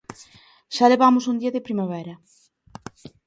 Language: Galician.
Xa levamos un día de primavera.